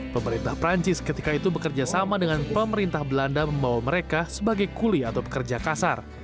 pemerintah perancis ketika itu bekerja sama dengan pemerintah belanda membawa mereka sebagai kuli atau pekerja kasar